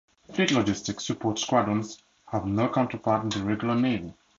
Fleet Logistics Support squadrons have no counterpart in the Regular Navy.